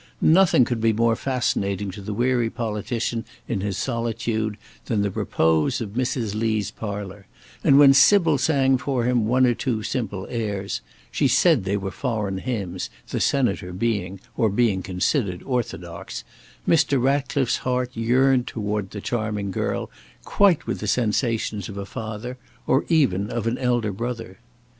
Nothing could be more fascinating to the weary politician in his solitude than the repose of Mrs. Lee's parlour, and when Sybil sang for him one or two simple airs she said they were foreign hymns, the Senator being, or being considered, orthodox Mr. Ratcliffe's heart yearned toward the charming girl quite with the sensations of a father, or even of an elder brother.